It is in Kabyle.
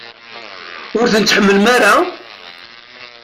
Ur ten-tḥemmlem ara?